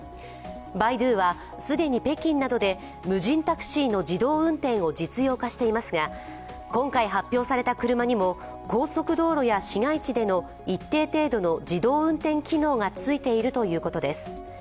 バイドゥは、既に北京などで無人タクシーの自動運転を実用化していますが今回発表された車にも高速道路や市街地での一定程度の自動運転機能がついているということです。